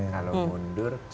kalau mundur kita kerjakan